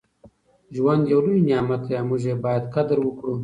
ژوند یو لوی نعمت دی او موږ یې باید قدر وکړو.